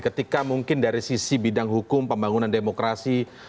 ketika mungkin dari sisi bidang hukum pembangunan demokrasi